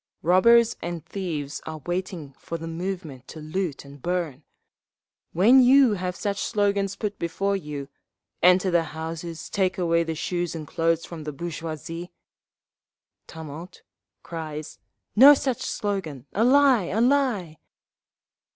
Robbers and thieves are waiting for the moment to loot and burn…. When you have such slogans put before you, 'Enter the houses, take away the shoes and clothes from the bourgeoisie—'" (Tumult. Cries, "No such slogan! A lie! A lie!")